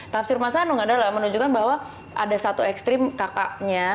tafsir mas anung adalah menunjukkan bahwa ada satu ekstrim kakaknya